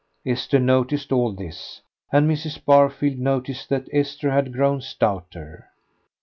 Esther noticed all this, and Mrs. Barfield noticed that Esther had grown stouter.